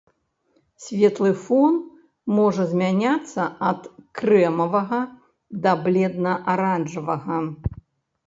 Светлы фон можа змяняцца ад крэмавага да бледна-аранжавага.